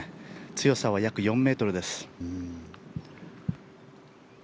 強さは約４ｍです。